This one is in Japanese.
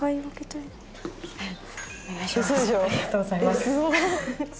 ありがとうございます。